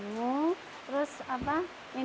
jamu bisa untuk hidup di dalam kitaran